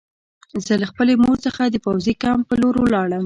زه له خپلې مور څخه د پوځي کمپ په لور لاړم